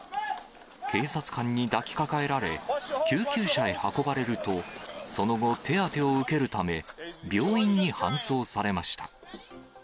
警察官に抱きかかえられ、救急車へ運ばれると、その後手当てを受けるため、病院に搬送されました。